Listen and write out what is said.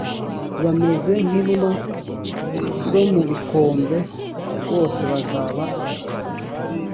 bameze nk inuma zo mu bikombe bose bazaba abashyitsi